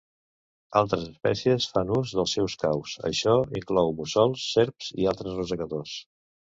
Altres espècies fan ús dels seus caus, això inclou mussols, serps i altres rosegadors.